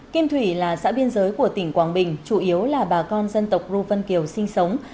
kim thủy là xã biên giới của tỉnh quảng bình chủ yếu là bà con dân tộc ru vân kiều sinh sống